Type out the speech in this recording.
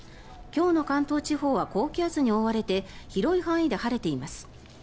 今日の関東地方は高気圧に覆われて広い範囲で晴れています。